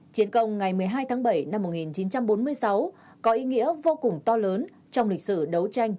chiến công ngày một mươi hai tháng bảy năm một nghìn chín trăm bốn mươi sáu có ý nghĩa vô cùng to lớn trong lịch sử đấu tranh